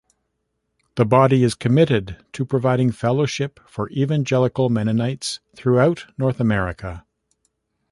The body is committed to providing fellowship for evangelical Mennonites throughout North America.